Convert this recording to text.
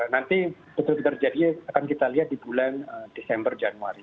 nanti betul betul jadi akan kita lihat di bulan desember januari